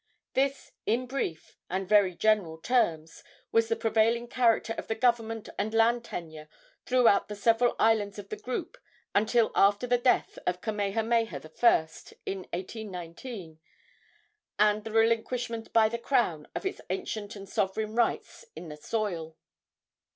This, in brief and very general terms, was the prevailing character of the government and land tenure throughout the several islands of the group until after the death of Kamehameha I. in 1819, and the relinquishment by the crown of its ancient and sovereign rights in the soil.